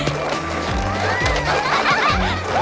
ハハハハッ！